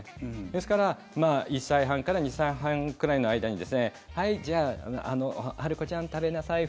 ですから１歳半から２歳半くらいの間にはい、じゃあハルコちゃん食べなさい